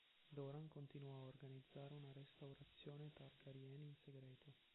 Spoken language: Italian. Doran continuò a organizzare una restaurazione Targaryen in segreto.